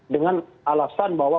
dengan alasan bahwa